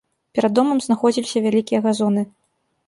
Перад домам знаходзіліся вялікія газоны.